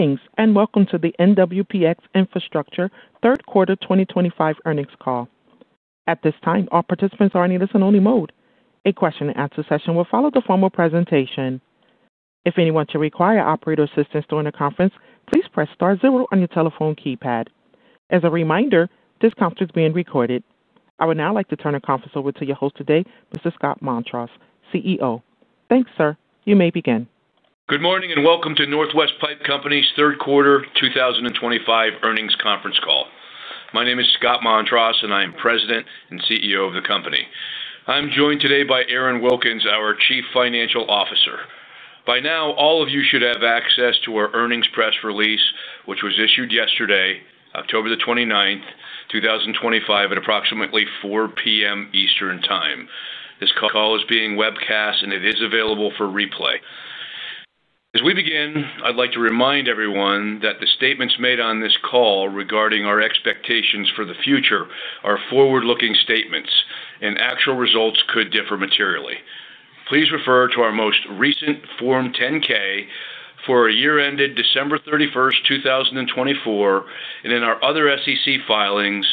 Greetings and welcome to the NWPX Infrastructure Inc. third quarter 2025 earnings call. At this time, all participants are in listen-only mode. A question and answer session will follow the formal presentation. If anyone should require operator assistance during the conference, please press *0 on your telephone keypad. As a reminder, this conference is being recorded. I would now like to turn the conference over to your host today, Mr. Scott Montross, CEO. Thanks, sir. You may begin. Good morning and welcome to NWPX Infrastructure Inc.'s third quarter 2025 earnings conference call. My name is Scott Montross and I am President and CEO of the company. I'm joined today by Aaron Wilkins, our Chief Financial Officer. By now all of you should have access to our earnings press release which was issued yesterday, October 29, 2025 at approximately 4:00 P.M. Eastern Time. This call is being webcast and it is available for replay as we begin. I'd like to remind everyone that the statements made on this call regarding our expectations for the future are forward-looking statements and actual results could differ materially. Please refer to our most recent Form 10-K for the year ended December 31, 2024 and in our other SEC filings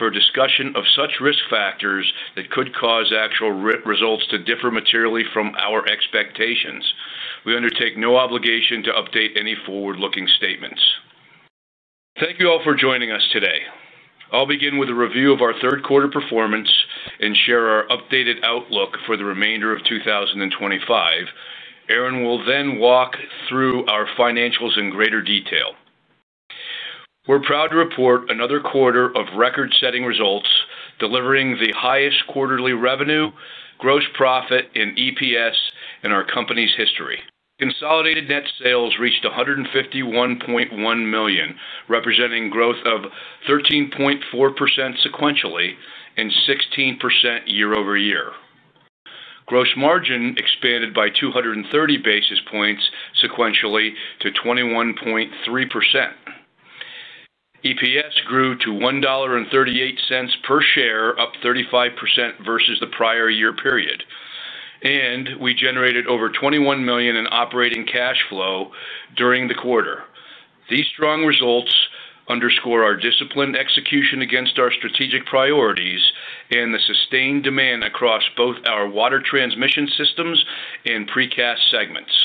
for a discussion of such risk factors that could cause actual results to differ materially from our expectations. We undertake no obligation to update any forward-looking statements. Thank you all for joining us today. I'll begin with a review of our third quarter performance and share our updated outlook for the remainder of 2025. Aaron will then walk through our financials in greater detail. We're proud to report another quarter of record-setting results, delivering the highest quarterly revenue, gross profit, and EPS in our company's history. Consolidated net sales reached $151.1 million, representing growth of 13.4% sequentially and 16% year over year. Gross margin expanded by 230 basis points sequentially to 21.3%. EPS grew to $1.38 per share, up 35% versus the prior year period and we generated over $21 million in operating cash flow during the quarter. These strong results underscore our disciplined execution against our strategic priorities and the sustained demand across both our Water Transmission Systems and Precast segments.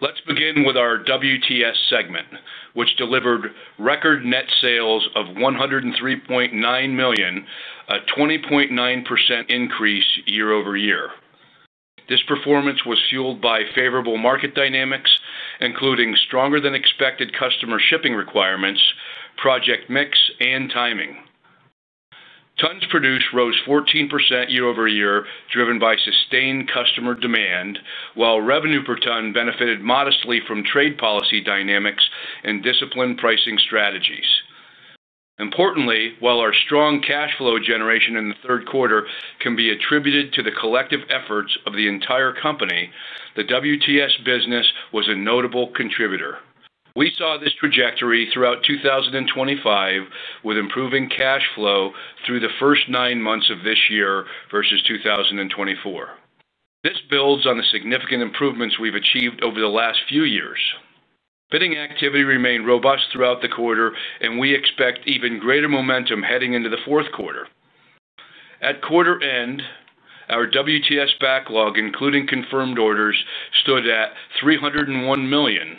Let's begin with our WTS segment which delivered record net sales of $103.9 million, a 20.9% increase year over year. This performance was fueled by favorable market dynamics including stronger than expected customer shipping requirements. Project mix and timing, tons produced rose 14% year over year driven by sustained customer demand, while revenue per ton benefited modestly from trade policy dynamics and disciplined pricing strategies. Importantly, while our strong cash flow generation in the third quarter can be attributed to the collective efforts of the entire company, the WTS business was a notable contributor. We saw this trajectory throughout 2025 with improving cash flow through the first nine months of this year versus 2024. This builds on the significant improvements we've achieved over the last few years. Bidding activity remained robust throughout the quarter, and we expect even greater momentum heading into the fourth quarter. At quarter end, our Water Transmission Systems backlog, including confirmed orders, stood at $301 million.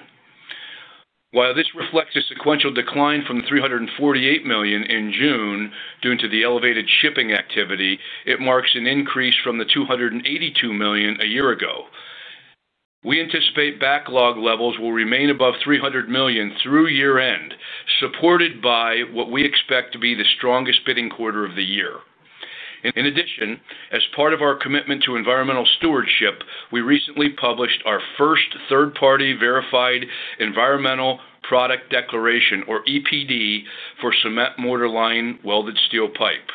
While this reflects a sequential decline from $348 million in June due to the elevated shipping activity, it marks an increase from the $282 million a year ago. We anticipate backlog levels will remain above $300 million through year end, supported by what we expect to be the strongest bidding quarter of the year. In addition, as part of our commitment to environmental stewardship, we recently published our first third-party verified Environmental Product Declaration or EPD for cement mortar lined welded steel pipe.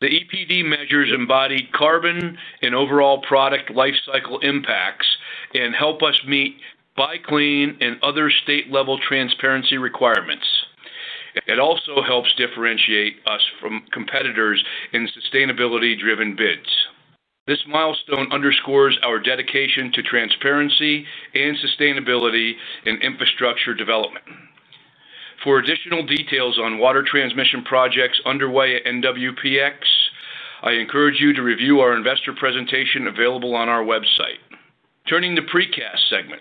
The EPD measures embodied carbon and overall product life cycle impacts and helps us meet by clean and other state-level transparency requirements. It also helps differentiate us from competitors in sustainability-driven bids. This milestone underscores our dedication to transparency and sustainability in infrastructure development. For additional details on water transmission projects underway at NWPX Infrastructure Inc., I encourage you to review our investor presentation available on our website. Turning to the Precast segment,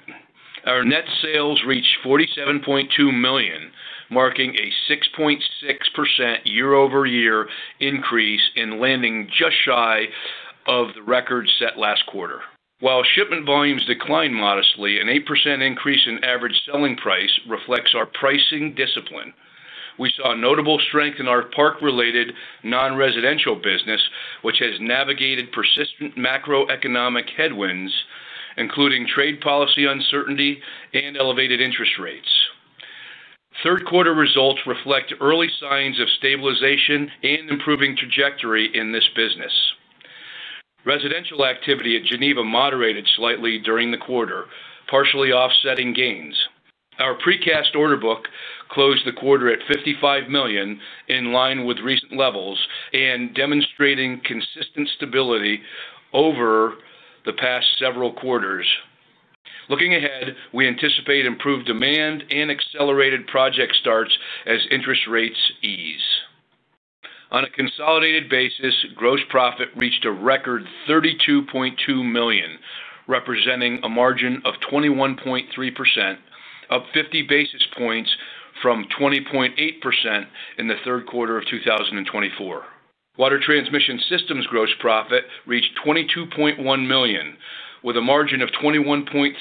our net sales reached $47.2 million, marking a 6.6% year-over-year increase and landing just shy of the record set last quarter while shipment volumes declined modestly. An 8% increase in average selling price reflects our pricing discipline. We saw notable strength in our park-related non-residential business, which has navigated persistent macroeconomic headwinds, including trade policy uncertainty and elevated interest rates. Third quarter results reflect early signs of stabilization and improving trajectory in this business. Residential activity at the Geneva facility moderated slightly during the quarter, partially offsetting gains. Our Precast order book closed the quarter at $55 million, in line with recent levels and demonstrating consistent stability over the past several quarters. Looking ahead, we anticipate improved demand and accelerated project starts as interest rates ease. On a consolidated basis, gross profit reached a record $32.2 million, representing a margin of 21.3%, up 50 basis points from 20.8% in the third quarter of 2024. Water Transmission Systems gross profit reached $22.1 million with a margin of 21.3%,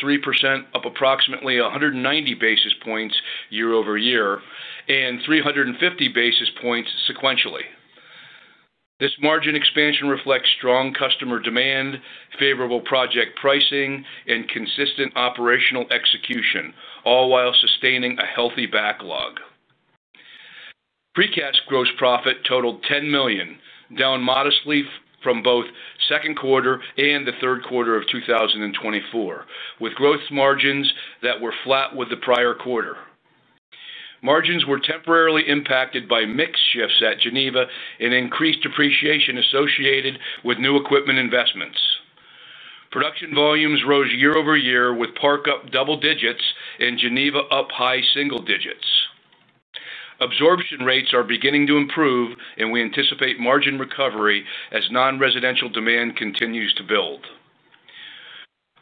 up approximately 190 basis points year over year and 350 basis points sequentially. This margin expansion reflects strong customer demand, favorable project pricing, and consistent operational execution, all while sustaining a healthy backlog. Precast gross profit totaled $10 million, down modestly from both the second quarter and the third quarter of 2024, with gross margins that were flat with the prior quarter. Margins were temporarily impacted by mix shifts at Geneva and increased depreciation associated with new equipment investments. Production volumes rose year over year with Park up double digits and Geneva up high single digits. Absorption rates are beginning to improve, and we anticipate margin recovery as nonresidential demand continues to build.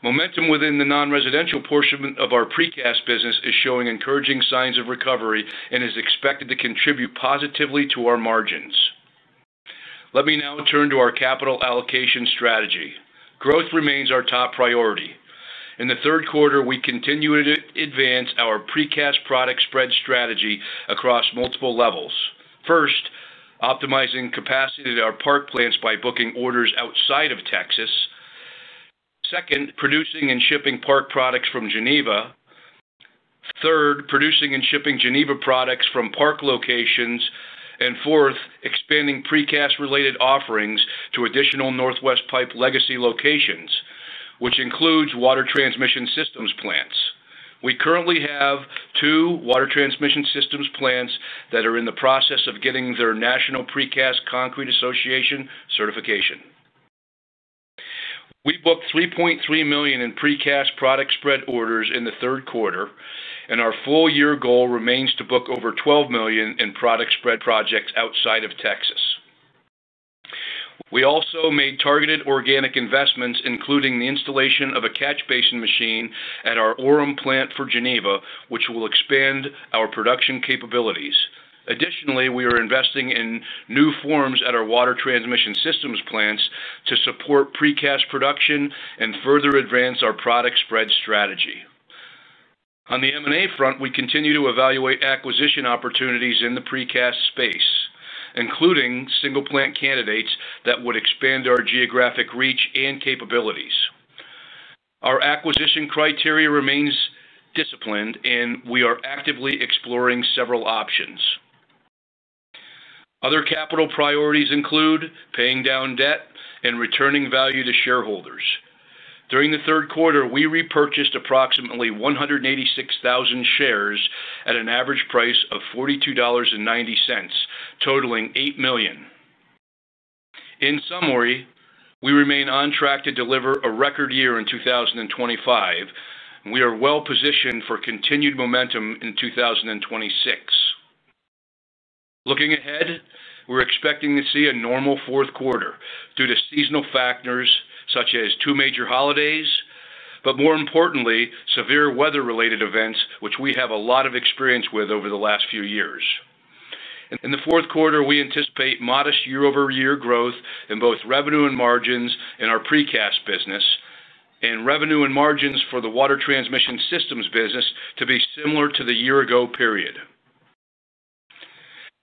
Momentum within the nonresidential portion of our Precast business is showing encouraging signs of recovery and is expected to contribute positively to our margins. Let me now turn to our capital allocation strategy. Growth remains our top priority in the third quarter. We continue to advance our Precast product spread strategy across multiple levels: first, optimizing capacity at our park plants by booking orders outside of Texas; second, producing and shipping Park products from Geneva; third, producing and shipping Geneva products from Park locations; and fourth, expanding precast-related offerings to additional Northwest Pipe Company legacy locations, which includes Water Transmission Systems plants. We currently have two Water Transmission Systems plants that are in the process of getting their National Precast Concrete Association certification. We booked $3.3 million in Precast product spread orders in the third quarter, and our full year goal remains to book over $12 million in product spread projects outside of Texas. We also made targeted organic investments, including the installation of a Catch Basin machine at our Orem plant for Geneva, which will expand our production capabilities. Additionally, we are investing in new forms at our Water Transmission Systems plants to support Precast production and further advance our product spread strategy. On the M&A front, we continue to evaluate acquisition opportunities in the Precast space, including single plant candidates that would expand our geographic reach and capabilities. Our acquisition criteria remains disciplined, and we are actively exploring several options. Other capital priorities include paying down debt and returning value to shareholders. During the third quarter, we repurchased approximately 186,000 shares at an average price of $42.90 totaling $8 million. In summary, we remain on track to deliver a record year in 2025. We are well positioned for continued momentum in 2026. Looking ahead, we're expecting to see a normal fourth quarter due to seasonal factors such as two major holidays, but more importantly severe weather related events which we have a lot of experience with over the last few years. In the fourth quarter, we anticipate modest year over year growth in both revenue and margins in our precast business and revenue and margins for the Water Transmission Systems business to be similar to the year ago period.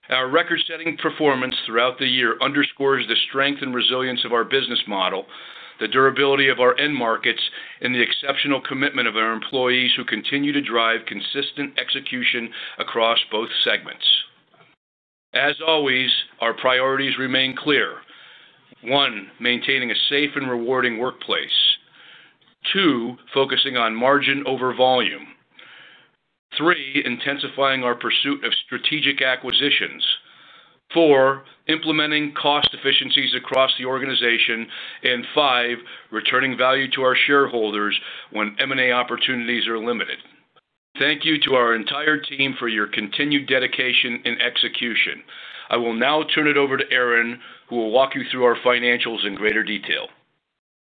Our record setting performance throughout the year underscores the strength and resilience of our business model, the durability of our end markets, and the exceptional commitment of our employees who continue to drive consistent execution across both segments. As always, our priorities remain clear: 1. maintaining a safe and rewarding workplace, 2. focusing on margin over volume, 3. intensifying our pursuit of strategic acquisitions, 4. implementing cost efficiencies across the organization, and 5. returning value to our shareholders when M&A opportunities are limited. Thank you to our entire team for your continued dedication and execution. I will now turn it over to Aaron who will walk you through our financials in greater detail.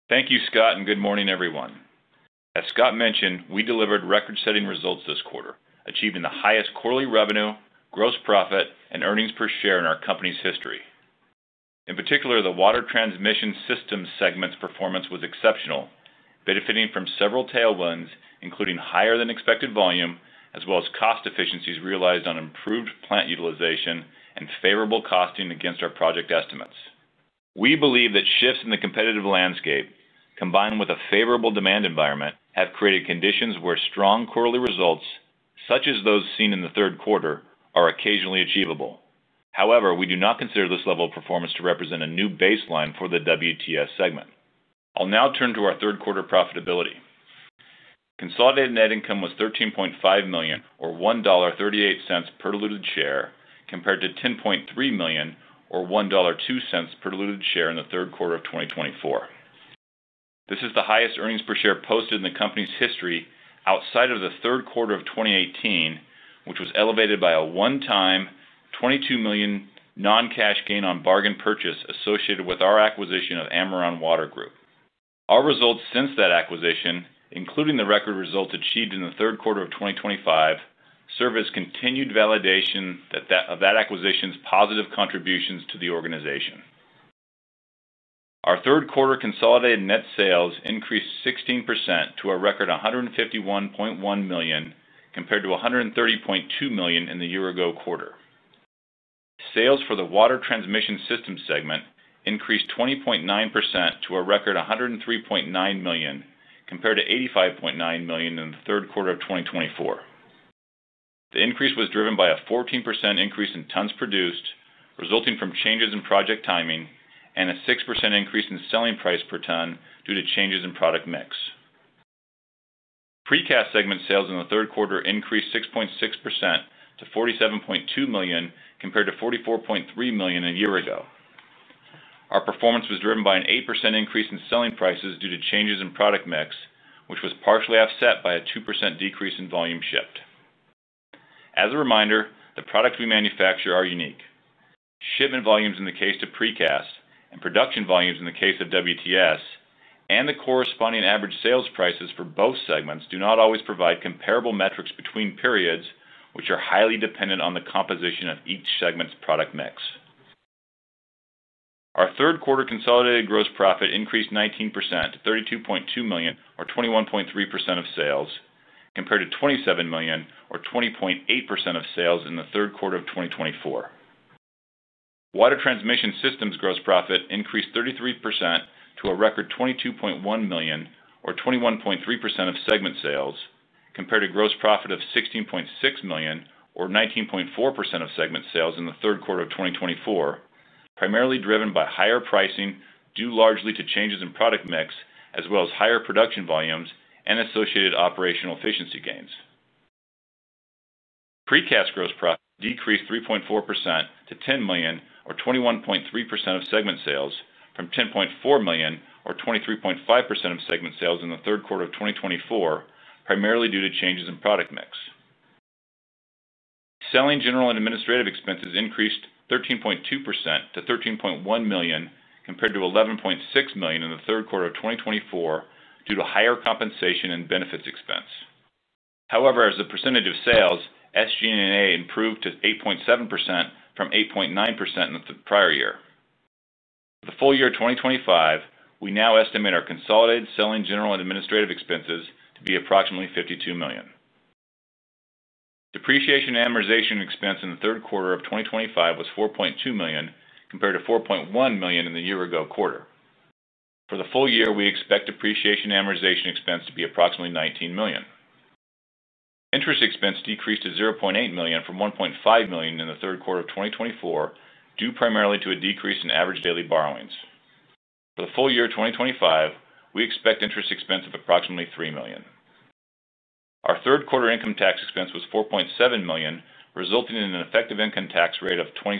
Thank you Scott and good morning everyone. As Scott mentioned, we delivered record-setting results this quarter, achieving the highest quarterly revenue, gross profit, and earnings per share in our company's history. In particular, the Water Transmission Systems segment's performance was exceptional, benefiting from several tailwinds including higher than expected volume as well as cost efficiencies realized on improved plant utilization and favorable costing against our project estimates. We believe that shifts in the competitive landscape combined with a favorable demand environment have created conditions where strong quarterly results such as those seen in the third quarter are occasionally achievable. However, we do not consider this level of performance to represent a new baseline for the WTS segment. I'll now turn to our third quarter profitability. Consolidated net income was $13.5 million or $1.38 per diluted share, compared to $10.3 million or $1.02 per diluted share in the third quarter of 2024. This is the highest earnings per share posted in the company's history outside of the third quarter of 2018, which was elevated by a one-time $22 million non-cash gain on bargain purchase associated with our acquisition of Ameron Water Group. Our results since that acquisition, including the record results achieved in the third quarter of 2025, serve as continued validation of that acquisition's positive contributions to the organization. Our third quarter consolidated net sales increased 16% to a record $151.1 million compared to $130.2 million in the year-ago quarter. Sales for the Water Transmission Systems segment increased 20.9% to a record $103.9 million compared to $85.9 million in the third quarter of 2024. The increase was driven by a 14% increase in tons produced resulting from changes in project timing and a 6% increase in selling price per ton due to changes in product mix. Precast segment sales in the third quarter increased 6.6% to $47.2 million compared to $44.3 million a year ago. Our performance was driven by an 8% increase in selling prices due to changes in product mix, which was partially offset by a 2% decrease in volume shipped. As a reminder, the products we manufacture are unique. Shipment volumes in the case of Precast and production volumes in the case of Water Transmission Systems and the corresponding average sales prices for both segments do not always provide comparable metrics between periods, which are highly dependent on the composition of each segment's product mix. Our third quarter consolidated gross profit increased 19% to $32.2 million or 21.3% of sales compared to $27 million or 20.8% of sales in the third quarter of 2024. Water Transmission Systems gross profit increased 33% to a record $22.1 million or 21.3% of segment sales compared to gross profit of $16.6 million or 19.4% of segment sales in the third quarter of 2024, primarily driven by higher pricing due largely to changes in product mix as well as higher production volumes and associated operational efficiency gains. Precast gross profit decreased 3.4% to $10 million or 21.3% of segment sales from $10.4 million or 23.5% of segment sales in the third quarter of 2024, primarily due to changes in product mix. Selling, general and administrative expenses increased 13.2% to $13.1 million compared to $11.6 million in the third quarter of 2024 due to higher compensation and benefits expense. However, as a percentage of sales, SG&A improved to 8.7% from 8.9% in the prior year. For the full year 2025, we now estimate our consolidated selling, general and administrative expenses to be approximately $52 million. Depreciation and amortization expense in the third quarter of 2025 was $4.2 million compared to $4.1 million in the year-ago quarter. For the full year, we expect depreciation and amortization expense to be approximately $19 million. Interest expense decreased to $0.8 million from $1.5 million in the third quarter of 2024 due primarily to a decrease in average daily borrowings. For the full year 2025, we expect interest expense of approximately $3 million. Our third quarter income tax expense was $4.7 million resulting in an effective income tax rate of 26%.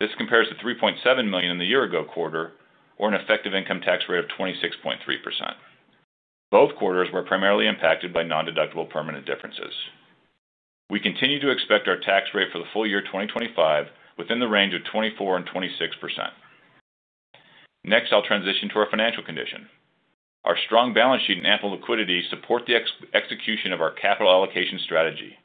This compares to $3.7 million in the year-ago quarter or an effective income tax rate of 26.3%. Both quarters were primarily impacted by non-deductible permanent differences. We continue to expect our tax rate for the full year 2025 within the range of 24% and 26%. Next, I'll transition to our financial condition. Our strong balance sheet and ample liquidity support the execution of our capital allocation strategy.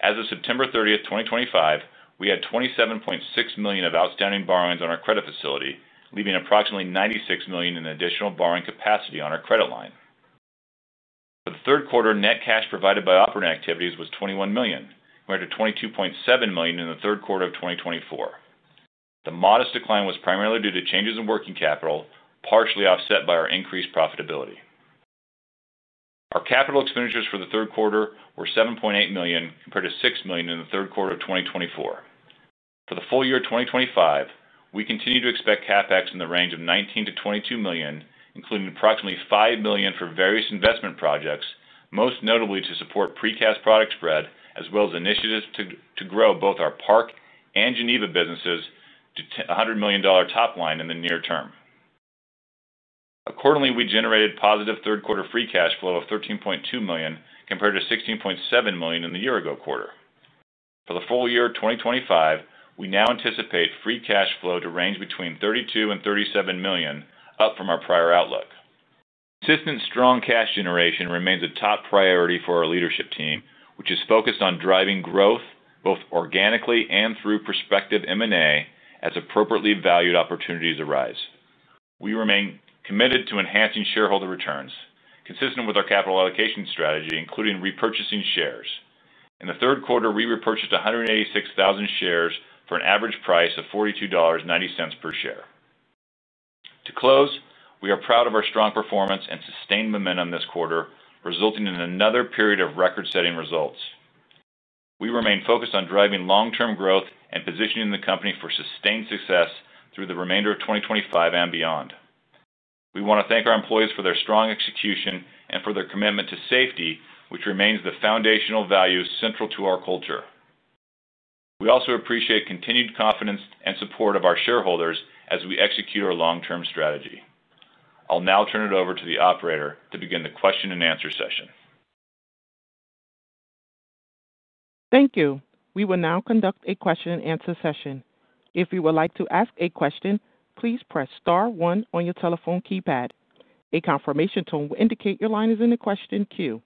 As of September 30, 2025, we had $27.6 million of outstanding borrowings on our credit facility, leaving approximately $96 million in additional borrowing capacity on our credit line. For the third quarter, net cash provided by operating activities was $21 million. We had $22.7 million in the third quarter of 2024. The modest decline was primarily due to changes in working capital, partially offset by our increased profitability. Our capital expenditures for the third quarter were $7.8 million, compared to $6 million in the third quarter of 2024. For the full year 2025, we continue to expect CapEx in the range of $19 to $22 million, including approximately $5 million for various investment projects, most notably to support Precast product spread as well as initiatives to grow both our Park and Geneva businesses to $100 million top line in the near term. Accordingly, we generated positive third quarter free cash flow of $13.2 million compared to $16.7 million in the year ago quarter. For the full year 2025, we now anticipate free cash flow to range between $32 and $37 million, up from our prior outlook. System's strong cash generation remains a top priority for our leadership team which is focused on driving growth both organically and through prospective M&A as appropriately valued opportunities arise. We remain committed to enhancing shareholder returns consistent with our capital allocation strategy, including repurchasing shares. In the third quarter, we repurchased 186,000 shares for an average price of $42.90 per share. To close we are proud of our strong performance and sustained momentum this quarter, resulting in another period of record-setting results. We remain focused on driving long-term growth and positioning the company for sustained success through the remainder of 2025 and beyond. We want to thank our employees for their strong execution and for their commitment to safety, which remains the foundational value central to our culture. We also appreciate the continued confidence and support of our shareholders as we execute our long-term strategy. I'll now turn it over to the operator to begin the question and answer session. Thank you. We will now conduct a question and answer session. If you would like to ask a question, please press *1 on your telephone keypad. A confirmation tone will indicate your line is in the question queue.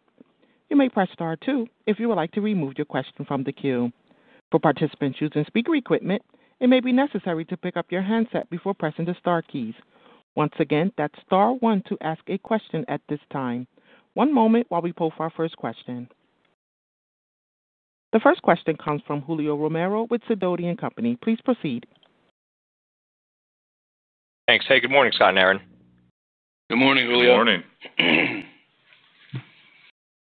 You may press *2 if you would like to remove your question from the queue. For participants using speaker equipment, it may be necessary to pick up your handset before pressing the star keys. Once again, that's *1 to ask a question at this time. One moment while we pull for our first question. The first question comes from Julio Romero with Sidoti & Company. Please proceed. Thanks. Hey, good morning, Scott and Aaron. Good morning, Julio.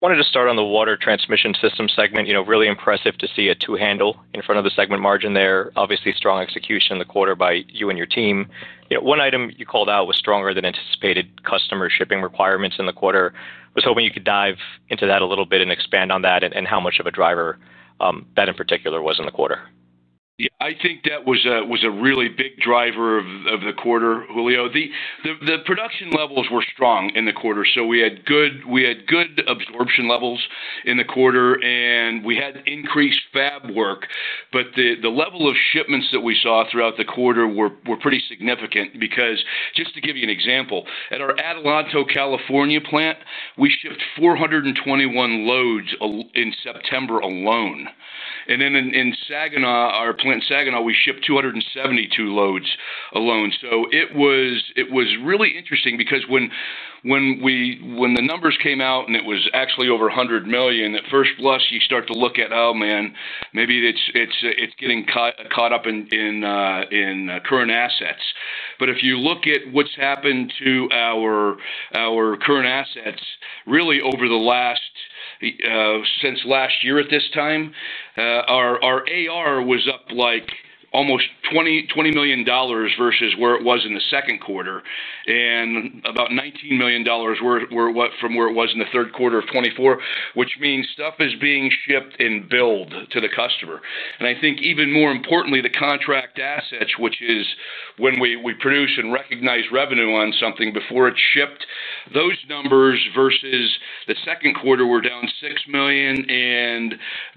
Good morning. Wanted to start on the Water Transmission Systems segment. You know, really impressive to see a two handle in front of the segment margin there. Obviously, strong execution in the quarter by you and your team. One item you called out was stronger than anticipated customer shipping requirements in the quarter. Was hoping you could dive into that a little bit and expand on that and how much of a driver that in particular was in the quarter. I think that was a really big driver of the quarter, Julio. The production levels were strong in the quarter, so we had good absorption levels in the quarter and we had increased fab work. The level of shipments that we saw throughout the quarter were pretty significant because just to give you an example, at our Adelanto, California plant, we shipped 421 loads in September alone. In Saginaw, our plant Saginaw, we shipped 272 loads alone. It was really interesting because when the numbers came out and it was actually over $100 million at first plus, you start to look at, oh man, maybe it's getting caught up in current assets. If you look at what's happened to our current assets really over the last, since last year at this time, our AR was up like almost $20 million versus where it was in the second quarter and about $19 million from where it was in the third quarter of '24. Which means stuff is being shipped and billed to the customer and I think even more importantly the contract assets, which is when we produce and recognize revenue on something before it shipped, those numbers versus the second quarter were down $6 million.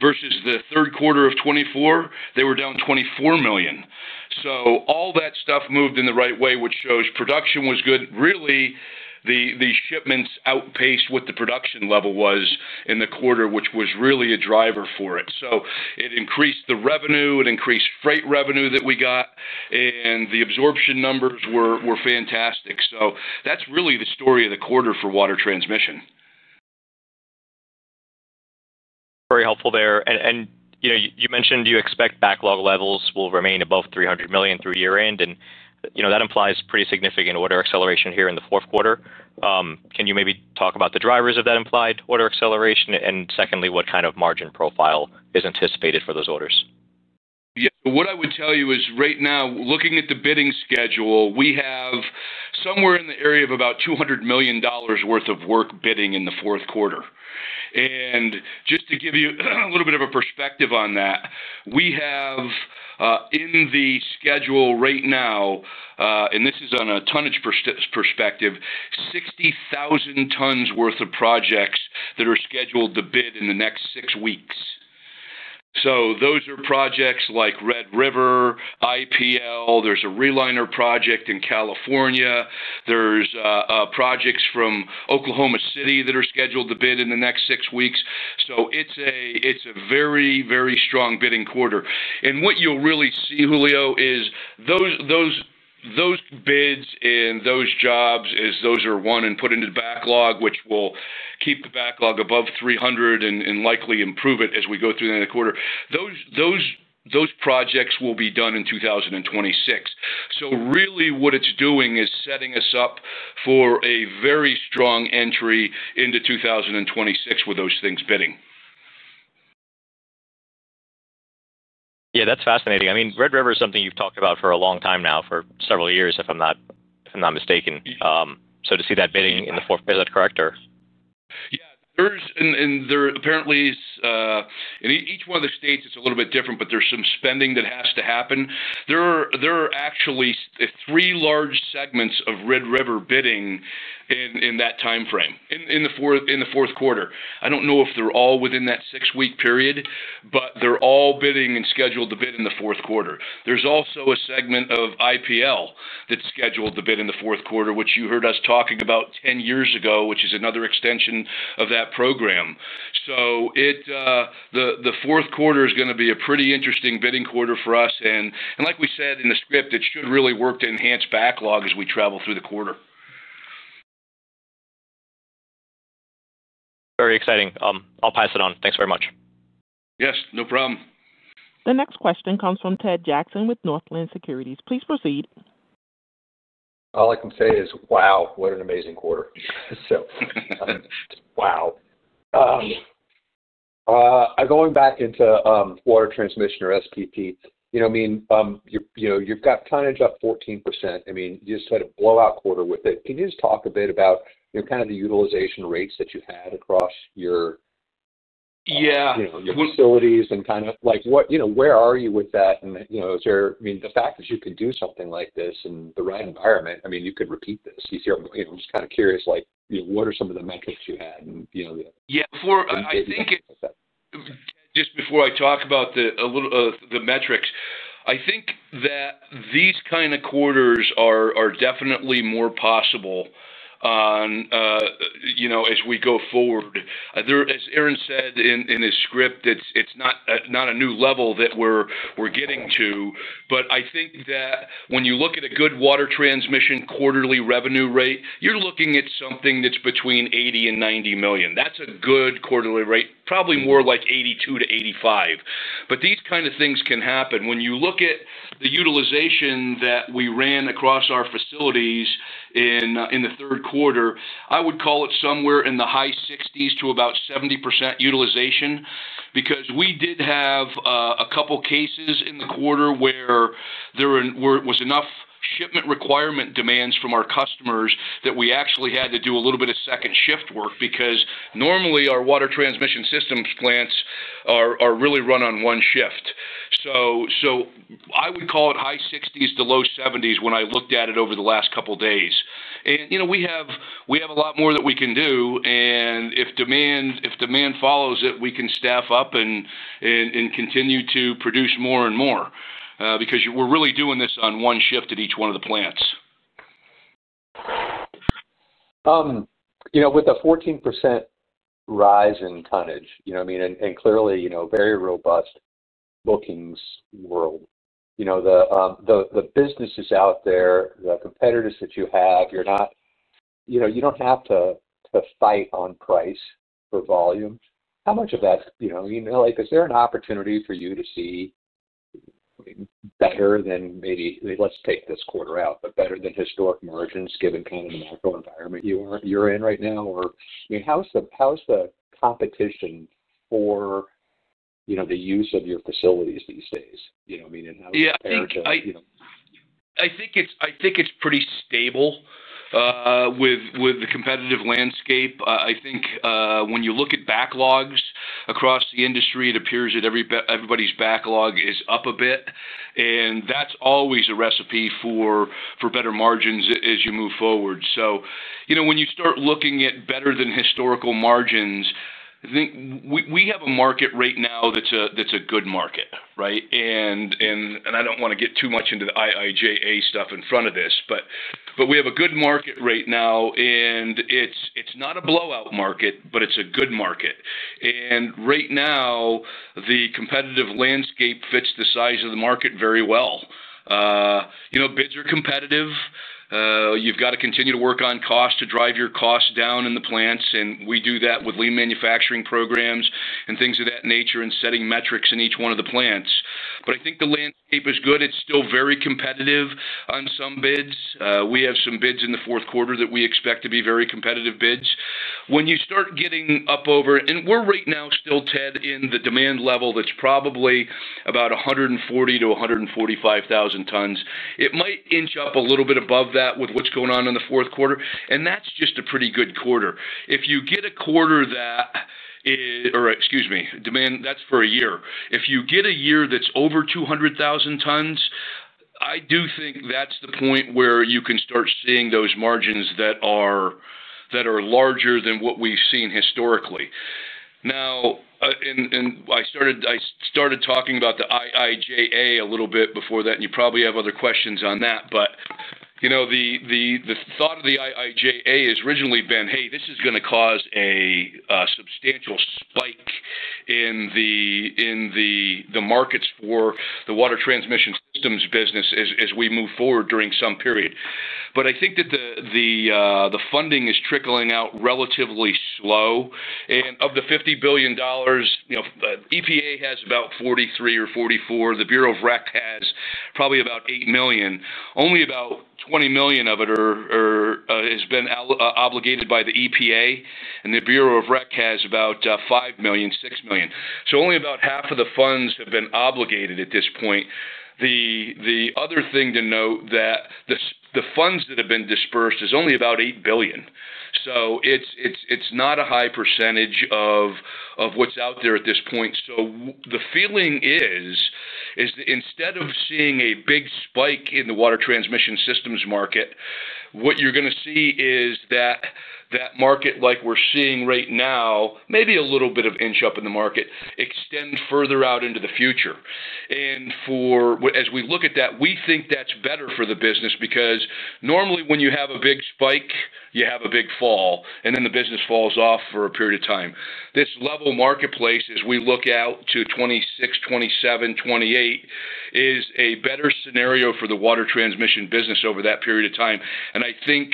Versus third quarter of '24, they were down $24 million. All that stuff moved in the right way, which shows production was good. Really the shipments outpaced what the production level was in the quarter, which was really a driver for it. It increased the revenue, it increased freight revenue that we got and the absorption numbers were fantastic. That's really the story of the quarter for water transmission. Very helpful there. You mentioned you expect backlog levels will remain above $300 million through year end. That implies pretty significant order acceleration here in the fourth quarter. Can you maybe talk about the drivers of that implied order acceleration? Secondly, what kind of margin profile is anticipated for those orders? Yeah, what I would tell you is right now, looking at the bidding schedule, we have somewhere in the area of about $200 million worth of work bidding in the fourth quarter. Just to give you a little bit of a perspective on that, we have in the schedule right now, and this is on a tonnage perspective, 60,000 tons worth of projects that are scheduled to bid in the next six weeks. Those are projects like Red River IPL, there's a reliner project in California, and there are projects from Oklahoma City that are scheduled to bid in the next six weeks. It's a very, very strong bidding quarter. What you'll really see, Julio, is those bids in those jobs, those are won and put into the backlog, which will keep the backlog above 300 and likely improve it as we go through the end of the quarter. Those projects will be done in 2026. What it's doing is setting us up for a very strong entry into 2026 with those things bidding. Yeah, that's fascinating. I mean, Red River is something you've talked about for a long time now, for several years, if I'm not mistaken. To see that bidding in the fourth, is that correct? Yeah, apparently in each one of the states, it's a little bit different, but there's some spending that has to happen. There are actually three large segments of Red River bidding in that time frame in the fourth quarter. I don't know if they're all within that six week period, but they're all bidding and scheduled to bid in the fourth quarter. There's also a segment of IPL that's scheduled to bid in the fourth quarter, which you heard us talk about 10 years ago, which is another extension of that program. The fourth quarter is going to be a pretty interesting bidding quarter for us. Like we said in the script, it should really work to enhance backlog as we travel through the quarter. Very exciting. I'll pass it on. Thanks very much. Yes, no problem. The next question comes from Ted Jackson with Northland Securities. Please proceed. All I can say is, wow, what an amazing quarter. Going back into Water Transmission or WTS, you know, I mean, you know, you've got tonnage up 14%. I mean, you just had a blowout quarter with it. Can you just talk a bit about, you know, kind of the utilization rates that you had across your. Yeah. You know, your facilities and kind of like what, you know, where are you with that, and is there, I mean, the fact that you could do something like this in the right environment? I mean, you repeat this, I'm just kind of curious, like, what are some of the metrics you had? Yeah, just before I talk about the metrics, I think that these kind of quarters are definitely more possible as we go forward. As Aaron said in his script, it's not a new level that we're getting to, but I think that when you look at a good water transmission quarterly revenue rate, you're looking at something that's between $80 million and $90 million. That's a good quarterly rate, probably more like $82 million-$85 million. These kind of things can happen. When you look at the utilization that we ran across our facilities in the third quarter, I would call it somewhere in the high 60s to about 70% utilization. We did have a couple cases in the quarter where there was enough shipment requirement demands from our customers that we actually had to do a little bit of second shift work. Normally our Water Transmission Systems plants are really run on one shift. I would call it high 60s to low 70s. When I looked at it over the last couple days, we have a lot more that we can do and if demand follows it, we can staff up and continue to produce more and more because we're really doing this on one shift at each one of the plants. With a 14% rise in tonnage, and clearly very robust bookings world, the businesses out there, the competitors that you have, you're not, you don't have to fight on price for volume. How much of that, is there an opportunity for you to see better than maybe let's take this quarter out, but better than historic margins given kind of the macro environment you're in right now, or how's the competition for the use of your facilities these days? I think it's pretty stable with the competitive landscape. I think when you look at backlogs across the industry, it appears that everybody's backlog is up a bit. That's always a recipe for better margins as you move forward. When you start looking at better than historical margins, we have a market right now that's a good market. I don't want to get too much into the IIJA stuff in front of this, but we have a good market right now. It's not a blowout market, but it's a good market right now. The competitive landscape fits the size of the market very well. Bids are competitive. You've got to continue to work on cost to drive your costs down in the plants, and we do that with lean manufacturing programs and things of that nature and setting metrics in each one of the plants. I think the landscape is good. It's still very competitive on some bids. We have some bids in the fourth quarter that we expect to be very competitive bids when you start getting up over, and we're right now still, Ted, in the demand level, that's probably about 140,000-145,000 tons. It might inch up a little bit above that with what's going on in the fourth quarter, and that's just a pretty good quarter. If you get a quarter that, excuse me, demand, that's for a year. If you get a year that's over 200,000 tons, I do think that's the point where you can start seeing those margins that are larger than what we've seen historically. I started talking about the IIJA a little bit before that, and you probably have other questions on that. The thought of the IIJA has originally been, hey, this is going to cause a substantial spike in the markets for the Water Transmission Systems business as we move forward during some period. I think that the funding is trickling out relatively soon. Of the $50 billion, EPA has about $43 or $44 billion. The Bureau of REC has probably about $8 billion. Only about $20 billion of it has been obligated by the EPA, and the Bureau of Rec has about $5 billion, $6 billion. Only about half of the funds have been obligated at this point. The other thing to note is that the funds that have been dispersed is only about $8 billion. It's not a high percentage of what's out there at this point. The feeling is instead of seeing a big spike in the Water Transmission Systems market, what you're going to see is that market, like we're seeing right now, maybe a little bit of inch up in the market, extend further out into the future. As we look at that, we think that's better for the business because normally when you have a big spike, you have a big fall and then the business falls off for a period of time. This level marketplace, as we look out to 2026, 2027, 2028, is a better scenario for the water transmission business over that period of time. I think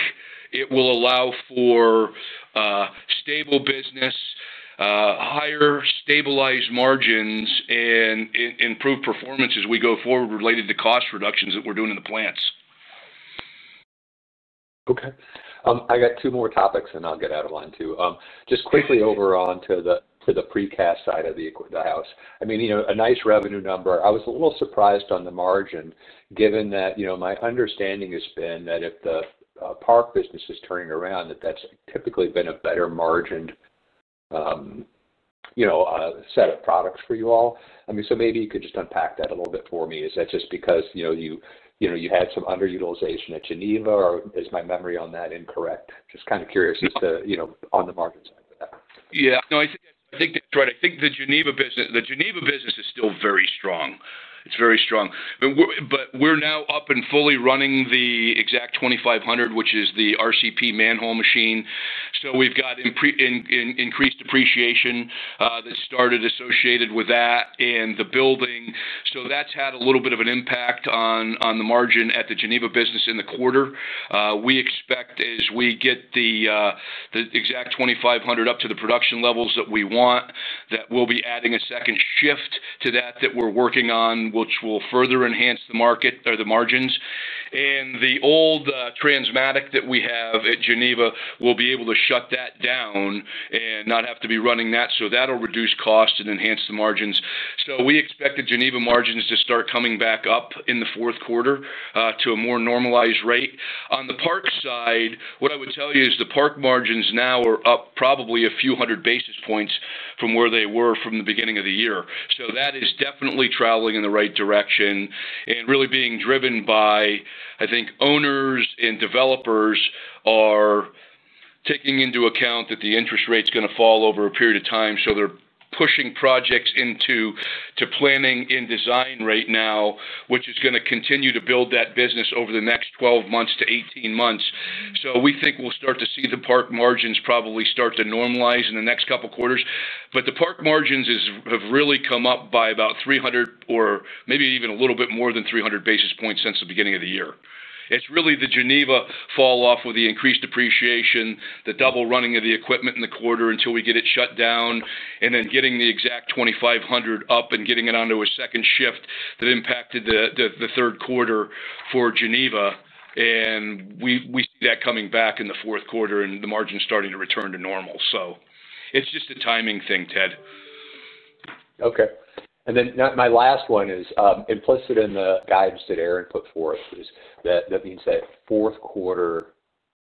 it will allow for stable business, higher stabilized margins, and improved performance as we go forward. Related to cost reductions that we're doing in the plants. Okay, I got two more topics and I'll get out of line too. Just quickly over on to the, to the precast side of the equivalent of the house. I mean, you know, a nice revenue number. I was a little surprised on the margin given that, you know, my understanding has been that if the Park business is turning around, that that's typically been a better margined, you know, set of products for you all. I mean, maybe you could just unpack that a little bit for me. Is that just because, you know, you had some underutilization at the Geneva facility or is my memory on that incorrect? Just kind of curious as to, you know, on the market side. Yeah, no, I think that's right. I think the Geneva business is still very strong. It's very strong. We're now up and fully running the Exact 2500, which is the RCP manhole machine. We've got increased depreciation that started associated with that and the building. That's had a little bit of an impact on the margin at the Geneva facility in the quarter. We expect as we get the Exact 2500 up to the production levels that we want, that we'll be adding a second shift to that, which we're working on, which will further enhance the margins. The old transmatic that we have at Geneva, we'll be able to shut that down and not have to be running that. That will reduce costs and enhance the margins. We expect the Geneva margins to start coming back up in the fourth quarter to a more normalized rate. On the Park plant side, what I would tell you is the Park margins now are up probably a few hundred basis points from where they were at the beginning of the year. That is definitely traveling in the right direction and really being driven by, I think, owners and developers taking into account that the interest rate is going to fall over a period of time. They're pushing projects into planning and design right now, which is going to continue to build that business over the next 12 to 18 months. We think we'll start to see the Park margins probably start to normalize in the next couple quarters. The Park margins have really come up by about 300 or maybe even a little bit more than 300 basis points since the beginning of the year. It's really the Geneva fall off with the increased depreciation, the double running of the equipment in the quarter until we get it shut down, and then getting the Exact 2500 up and getting it onto a second shift that impacted the third quarter for Geneva. We see that coming back in the fourth quarter and the margin starting to return to normal. It's just a timing thing. Okay. Then my last one is implicit in the guidance that Aaron put forth. That means that fourth quarter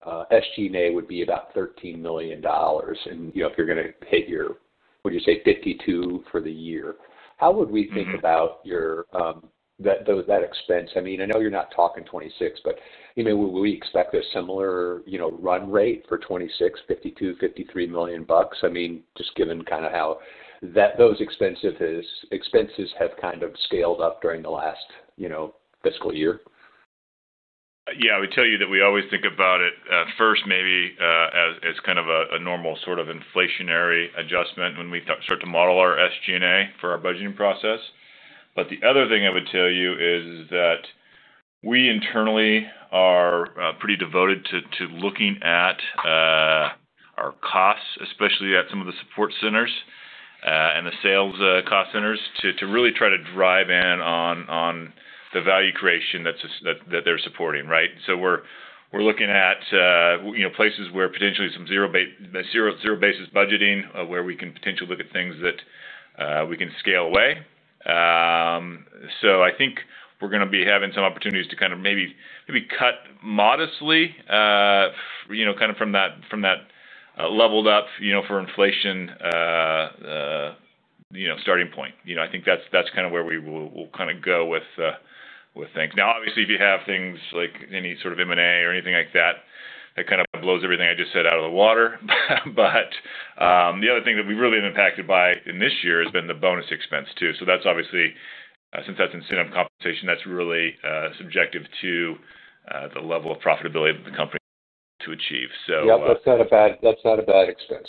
SG&A would be about $13 million. If you're going to hit your, would you say, $52 million for the year, how would we think about that expense? I mean, I know you're not talking $26 million, but we expect a similar run rate for $26 million, $52 million, $53 million. Just given kind of how those expenses have scaled up during the last fiscal year. Yeah, we tell you that we always think about it first maybe as kind of a normal sort of inflationary adjustment when we start to model our SG&A for our budgeting process. The other thing I would tell you is that we internally are pretty devoted to looking at our costs, especially at some of the support centers and the sales cost centers, to really try to drive in on the value creation that they're supporting, right. We're looking at places where potentially some zero basis budgeting where we can potentially look at things that we can scale away. I think we're going to be having some opportunities to kind of maybe cut modestly, you know, kind of from that leveled up, you know, for inflation. I think that's kind of where we will kind of go with things. Obviously, if you have things like any sort of M&A or anything like that, that kind of blows everything I just said out of the water. The other thing that we've really been impacted by in this year has been the bonus expense too. Since that's incentive compensation, that's really subjective to the level of profitability that the company can achieve. That's not a bad expense.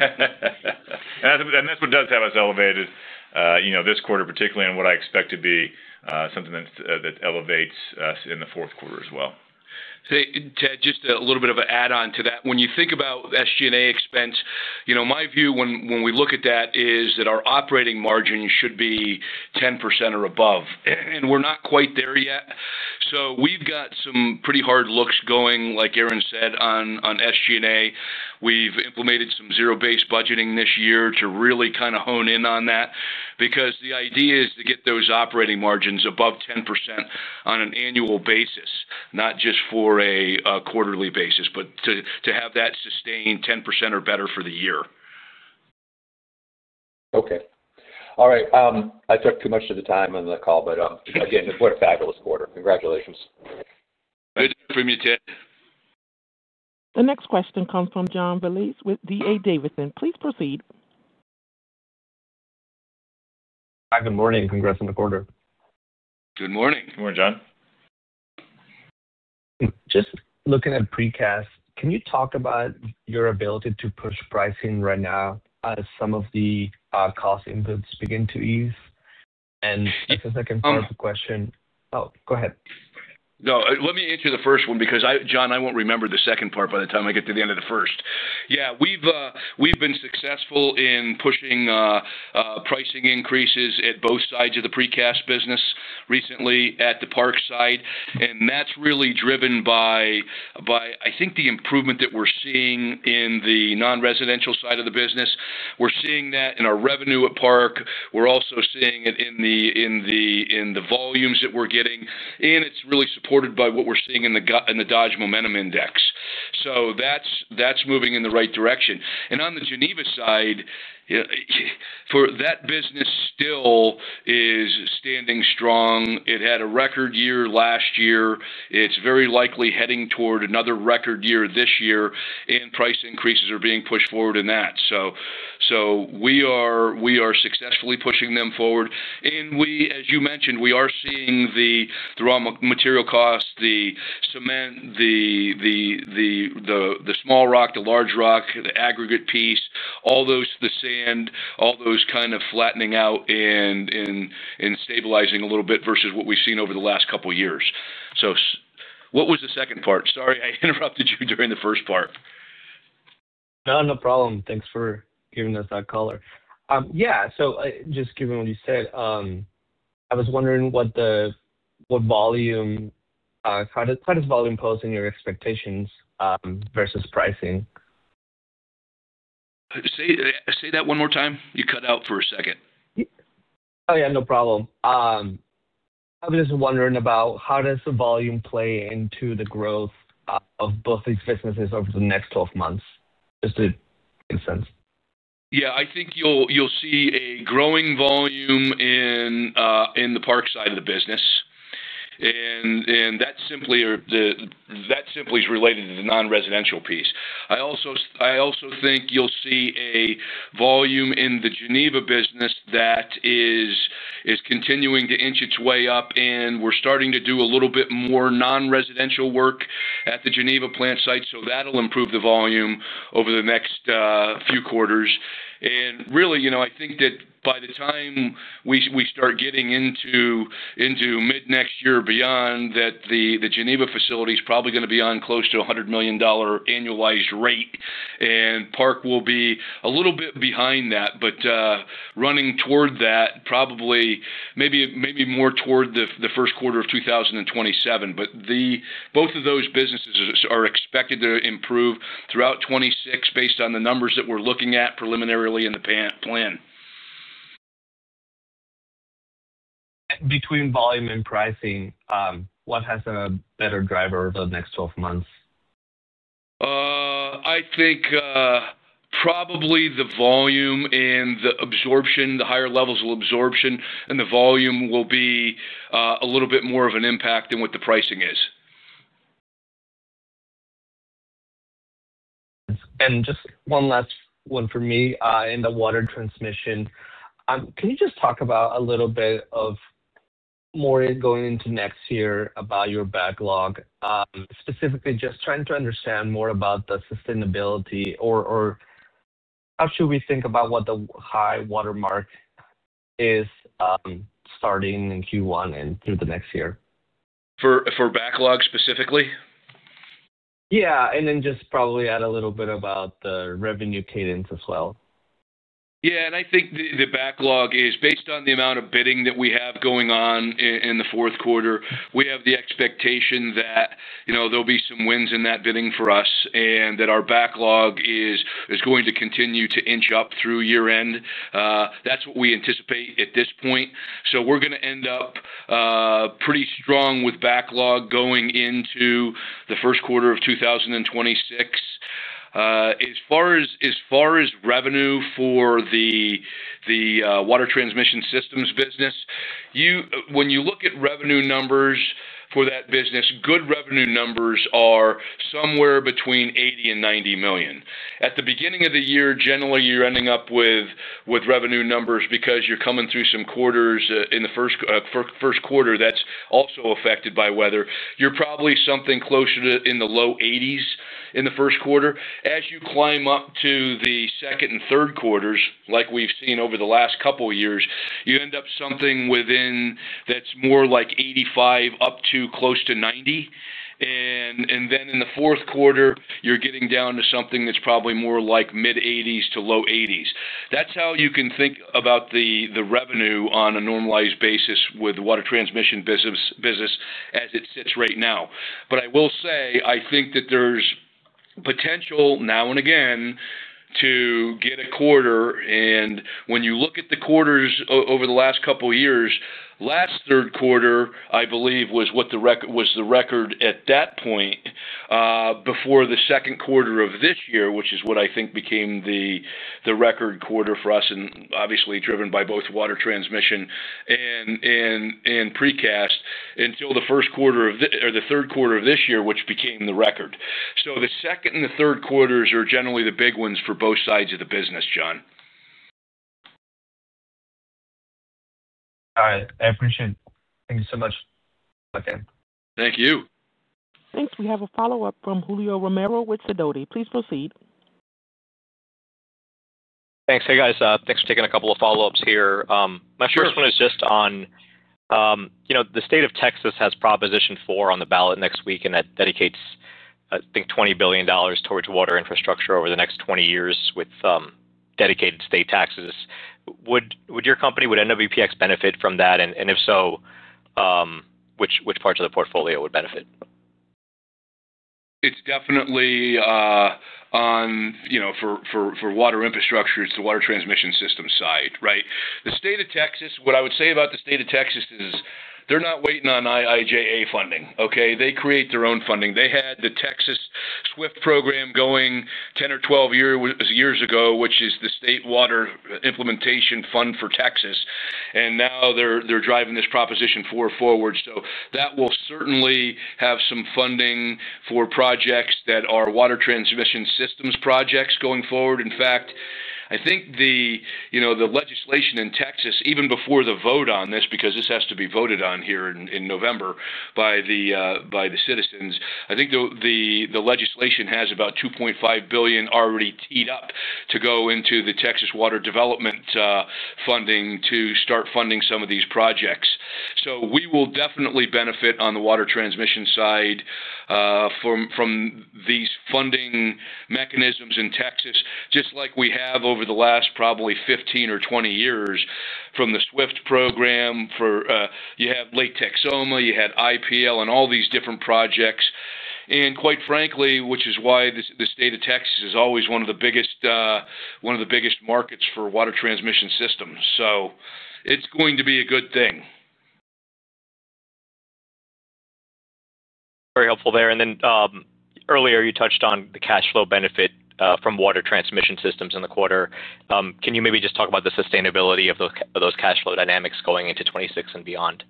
That is what does have us elevated this quarter, particularly in what I expect to be something that elevates us in the fourth quarter as well. Just a little bit of an add on to that when you think about SG&A expense. You know, my view when we look at that is that our operating margin should be 10% or above and we're not quite there yet. We've got some pretty hard looks going. Like Aaron said on SG&A, we've implemented some zero based budgeting this year to really kind of hone in on that because the idea is to get those operating margins above 10% on an annual basis, not just for a quarterly basis, but to have that sustained 10% or better for the year. Okay. All right. I took too much of the time on the call, but again, what a fabulous quarter. Congratulations. The next question comes from John Belize with D.A. Davidson. Please proceed. Good morning, congrats on the quarter. Good morning. Good morning, John. Just looking at precast, can you talk about your ability to push pricing right now as some of the cost inputs begin to ease, and second part question. Oh, go ahead. No, let me answer the first one because John, I won't remember the second part by the time I get to the end of the first. Yeah, we've been successful in pushing pricing increases at both sides of the Precast business recently at the Park plant. That's really driven by, I think, the improvement that we're seeing in the non-residential side of the business. We're seeing that in our revenue at Park. We're also seeing it in the volumes that we're getting, and it's really supported by what we're seeing in the Dodge Momentum Index. That's moving in the right direction. On the Geneva facility side, that business still is standing strong. It had a record year last year. It's very likely heading toward another record year this year, and price increases are being pushed forward in that. We are successfully pushing them forward. As you mentioned, we are seeing the raw material costs, the cement, the small rock, the large rock, the aggregate piece, all those, the sand, all those kind of flattening out and stabilizing a little bit versus what we've seen over the last couple years. What was the second part? Sorry I interrupted you during the first part. No problem. Thanks for giving us that color. Yeah, just given what you said, I was wondering what volume, how does volume pose in your expectations versus pricing? Say that one more time. You cut out for a second. Yeah, no problem. I was just wondering about how does the volume play into the growth of both these businesses over the next 12 months? Does it make sense? Yeah, I think you'll see a growing volume in the Park side of the business, and that simply is related to the non-residential piece. I also think you'll see a volume in the Geneva business that is continuing to inch its way up, and we're starting to do a little bit more non-residential work at the Geneva plant site. That'll improve the volume over the next few quarters. Really, I think that by the time we start getting into mid next year, beyond that, the Geneva facility is probably going to be on close to $100 million annualized rate, and Park will be a little bit behind that, but running toward that probably maybe more toward the first quarter of 2027. Both of those businesses are expected to improve throughout 2026 based on the numbers that we're looking at preliminarily in the plan. Between volume and pricing, what has a better driver the next 12 months? I think probably the volume and the absorption. The higher levels of absorption and the volume will be a little bit more of an impact than what the pricing is. Just one last one for me in the water transmission. Can you talk a little bit more going into next year about your backlog specifically? Just trying to understand more about the sustainability or how should we think about what the high watermark is starting in Q1 and through the next year. For backlog specifically? Yeah. And then just probably add a little bit about the revenue cadence as well? Yeah. I think the backlog is based on the amount of bidding that we have going on in the fourth quarter. We have the expectation that, you know, there will be some wins in that bidding for us and that our backlog is going to continue to inch up through year end. That's what we anticipate at this point. We're going to end up pretty strong with backlog going into the first quarter of 2020. As far as revenue for the Water Transmission Systems business, when you look at revenue numbers for that business, good revenue numbers are somewhere between $80 million and $90 million at the beginning of the year. Generally you're ending up with revenue numbers because you're coming through some quarters in the first quarter that's also affected by weather. You're probably something closer to in the low $80 million in the first quarter. As you climb up to the second and third quarters, like we've seen over the last couple years, you end up something within that's more like $85 million up to close to $90 million. In the fourth quarter you're getting down to something that's probably more like mid-$80 million to low-$80 million. That's how you can think about the revenue on a normalized basis with the Water Transmission Systems business as it sits right now. I will say I think that there's potential now and again to get a quarter. When you look at the quarters over the last couple years, last third quarter, I believe, was what the record was. The record at that point before the second quarter of this year, which is what I think became the record quarter for and obviously driven by both Water Transmission Systems and Precast until the first quarter or the third quarter of this year, which became the record. The second and the third quarters are generally the big ones for both sides of the business. John. All right. I appreciate it. Thank you so much again. Thank you. Thanks. We have a follow-up from Julio Romero with Sidoti. Please proceed. Thanks. Hey guys, thanks for taking a couple of follow ups here. My first one is just on, you know, the state of Texas has Proposition 4 on the ballot next week, and that dedicates, I think, $20 billion towards water infrastructure over the next 20 years with dedicated state taxes. Would your company, would NWPX Infrastructure Inc. benefit from that, and if so, which parts of the portfolio would benefit? It's definitely on, you know, for water infrastructure. It's the water transmission system side. Right. The state of Texas. What I would say about the state of Texas is they're not waiting on IIJA funding. They create their own funding. They had the Texas SWIFT program going 10 or 12 years ago, which is the State Water Implementation Fund for Texas. Now they're driving this proposition forward. That will certainly have some funding for projects that are water transmission systems projects going forward. In fact, I think the legislation in Texas even before the vote on this, because this has to be voted on here in November by the citizens, I think the legislation has about $2.5 billion already teed up to go into the Texas water development funding to start funding some of these projects. We will definitely benefit on the water transmission side from these funding mechanisms in Texas, just like we have over the last probably 15 or 20 years from the SWIFT program. You have Lake Texoma, you had IPL and all these different projects. Quite frankly, which is why the state of Texas is always one of the biggest markets for water transmission systems. It's going to be a good thing. Very helpful there. Earlier you touched on the cash flow benefit from Water Transmission Systems in the quarter. Can you maybe just talk about the sustainability of those cash flow dynamics going into 2026 and beyond?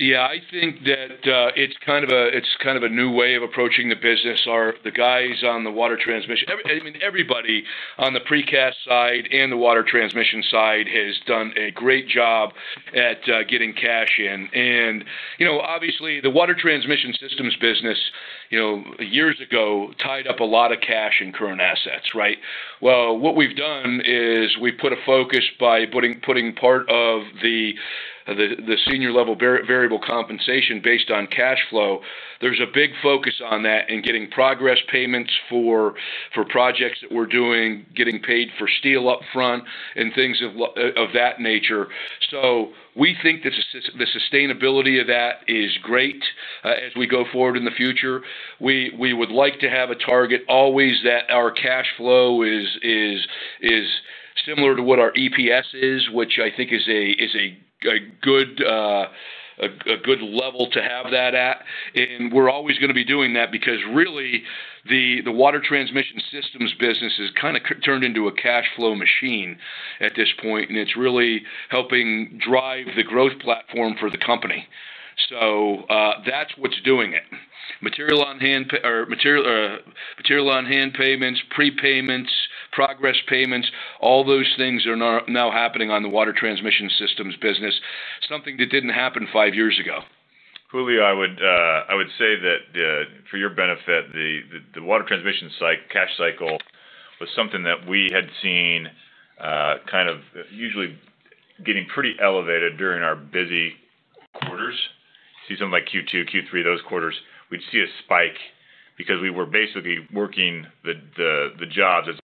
Yeah, I think that it's kind of a new way of approaching the business. The guys on the water transmission, I mean everybody on the Precast side and the Water Transmission Systems side has done a great job at getting cash in. Obviously, the Water Transmission Systems business, years ago, tied up a lot of cash in current assets. What we've done is we put a focus by putting part of the senior level variable compensation based on cash flow. There's a big focus on that and getting progress payments for projects that we're doing, getting paid for steel up front and things of that nature. We think the sustainability of that is great. As we go forward in the future, we would like to have a target always that our cash flow is similar to what our EPS is, which I think is a good level to have that at. And we're always going to be doing that because really the Water Transmission Systems business has kind of turned into a cash flow machine at this point, and it's really helping drive the growth platform for the company. That's what's doing it. Material on hand payments, prepayments, progress payments, all those things are now happening on the Water Transmission Systems business, something that didn't happen five years ago. Julio, I would say that for your benefit. The water transmission cash cycle was something that we had seen kind of usually getting pretty elevated during our busy quarters. See something like Q2, Q3, those quarters we'd see a spike because we were basically working the jobs as opposed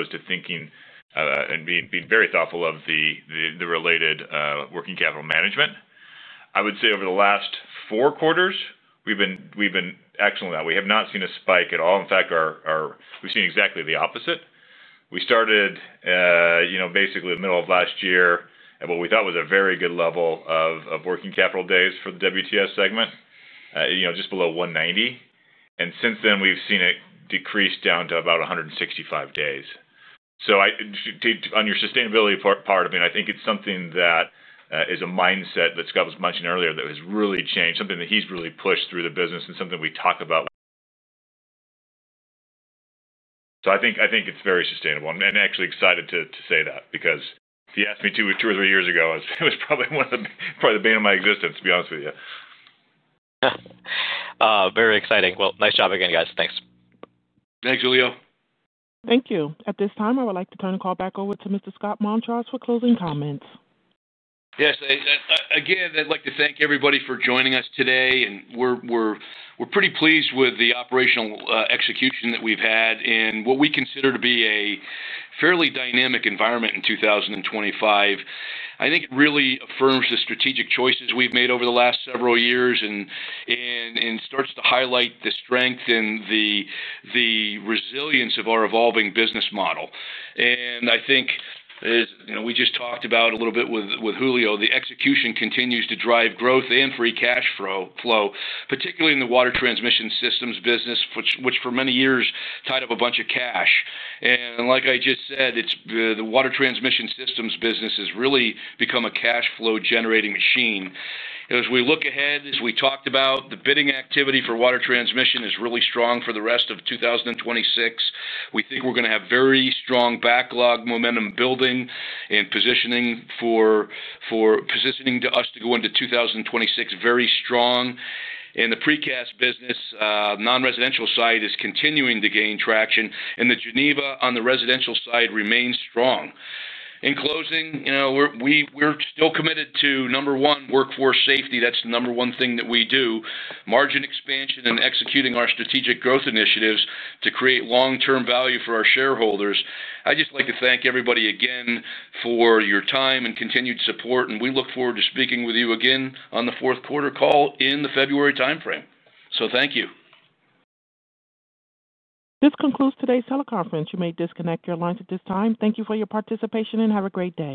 to thinking and being very thoughtful of the related working capital management. I would say over the last four quarters we've been excellent. We have not seen a spike at all. In fact, we've seen exactly the opposite. We started basically the middle of last year at what we thought was a very good level of working capital days for the WTS segment, just below 190 and since then we've seen it decrease down to about 165 days. On your sustainability part, I think it's something that is a mindset that Scott was mentioning earlier that has really changed, something that he's really pushed through the business and something we talk about. I think it's very sustainable and actually excited to say that because if you asked me two or three years ago, it was probably the bane of my existence, to be honest with you. Very exciting. Nice job again, guys. Thanks. Thanks, Julio. Thank you. At this time, I would like to turn the call back over to Mr. Scott Montross for closing comments. Yes, again I'd like to thank everybody for joining us today, and we're pretty pleased with the operational execution that we've had in what we consider to be a fairly dynamic environment in 2025. I think it really affirms the strategic choices we've made over the last several years and starts to highlight the strength and the resilience of our evolving business model. I think we just talked about a little bit with Julio. The execution continues to drive growth and free cash flow, particularly in the Water Transmission Systems business, which for many years tied up a bunch of cash. Like I just said, the Water Transmission Systems business has really become a cash flow generating machine as we look ahead. As we talked about, the bidding activity for water transmission is really strong. For the rest of 2026, we think we're going to have very strong backlog momentum building and positioning us to go into 2026 very strong in the Precast business. Non-residential site is continuing to gain traction, and the Geneva on the residential side remains strong. In closing, you know we're still committed to number one workforce safety. That's the number one thing that we do, margin expansion, and executing our strategic growth initiatives to create long-term value for our shareholders. I'd just like to thank everybody again for your time and continued support, and we look forward to speaking with you again on the fourth quarter call in the February timeframe. Thank you. This concludes today's teleconference. You may disconnect your lines at this time. Thank you for your participation and have a great day.